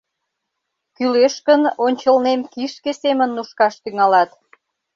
Кӱлеш гын, ончылнем кишке семын нушкаш тӱҥалат.